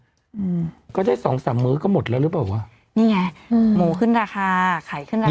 อืมก็ได้สองสามมื้อก็หมดแล้วหรือเปล่าวะนี่ไงอืมหมูขึ้นราคาขายขึ้นราคา